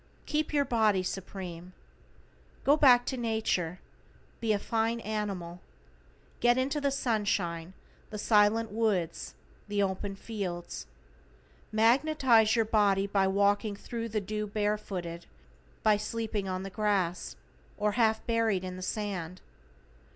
=KEEP YOUR BODY SUPREME:= Go back to Nature; be a fine animal. Get into the sunshine, the silent woods, the open fields. Magnetize your body by walking thru the dew barefooted, by sleeping on the grass, or half buried in the sand.